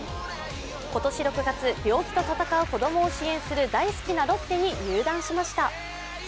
今年６月、病気と闘う子供を支援する大好きなロッテに入団しました。